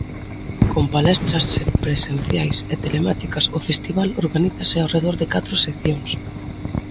Con palestras presenciais e telemáticas, o festival organízase ao redor de catro seccións.